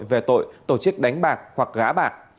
về tội tổ chức đánh bạc hoặc gã bạc